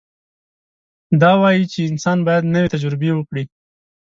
دا وایي چې انسان باید نوې تجربې وکړي.